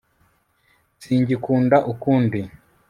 singikunda ukundi